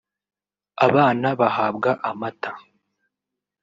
abana bahabwa amata